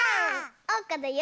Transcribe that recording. おうかだよ！